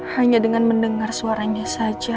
hanya dengan mendengar suaranya saja